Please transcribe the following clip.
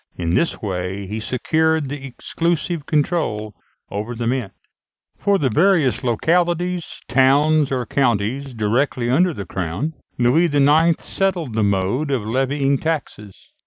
In this way he secured the exclusive control over the mint. For the various localities, towns, or counties directly under the crown, Louis IX. settled the mode of levying taxes.